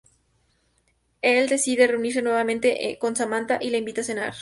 Él decide reunirse nuevamente con Samanta y la invita a cenar.